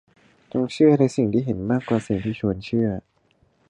จงเชื่อในสิ่งที่เห็นมากกว่าสิ่งที่ชวนเชื่อ